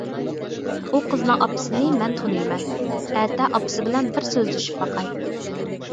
ئۇ قىزنىڭ ئاپىسىنى مەن تونۇيمەن، ئەتە ئاپىسى بىلەن بىر سۆزلىشىپ باقاي.